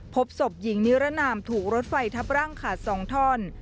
พบศพหญิงนิรนามถูกรถไฟทับร่างขาด๒ท่อน